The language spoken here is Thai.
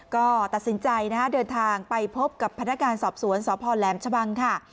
ก็ตัดสินใจนะฮะเดินทางไปพบกับพนักงานสอบสวนสพแหลมชะบังค่ะ